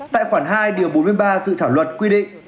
tại khoảng hai điều bốn mươi ba dự thảo luận quy định